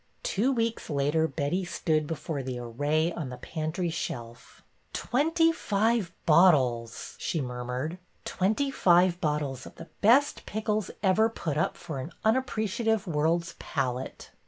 Two weeks later Betty stood before the array on the pantry shelf. '' Twenty five bottles !" she murmured. Twenty five bottles of the best pickles ever put up for an unappreciative world's palate."